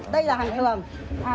đây là hàng thường